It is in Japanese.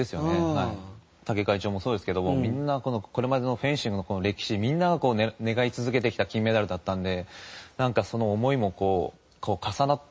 武井会長もそうですけどもみんなこのこれまでのフェンシングの歴史でみんなが願い続けてきた金メダルだったのでなんかその思いもこう重なって。